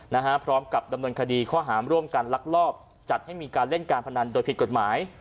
พร้อมกับดำเนินคดีข้อหามร่วมกันลักลอบจัดให้มีการเล่นการพนันโดยผิดกฎหมาย